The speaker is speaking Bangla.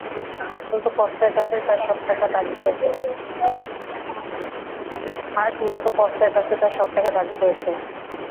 হার্ট মূলত কস্তার কাছে তার সব টাকা দাবি করেছে।